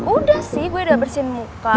udah sih gue udah bersihin muka